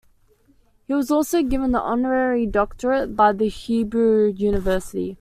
He was also given an honorary doctorate by the Hebrew University.